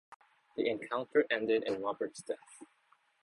The encounter ended in Roberts' death.